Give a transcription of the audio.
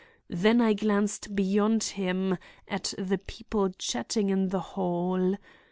Then I glanced beyond him, at the people chatting in the hall.